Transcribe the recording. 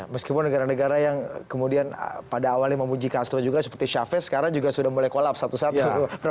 meskipun negara negara yang kemudian pada awalnya memuji castro juga seperti chavez sekarang juga sudah mulai kolap satu satu